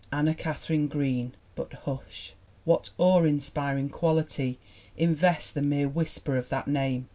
Anna Katharine Green but hush ! What awe inspiring quality invests the mere whisper of that name?